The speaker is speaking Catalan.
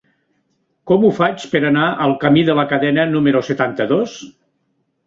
Com ho faig per anar al camí de la Cadena número setanta-dos?